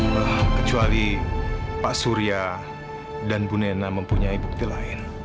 kecuali pak surya dan bu nena mempunyai bukti lain